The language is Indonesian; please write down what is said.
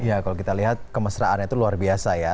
ya kalau kita lihat kemesraannya itu luar biasa ya